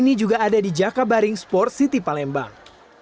ini juga ada di jakabaring sports city palembang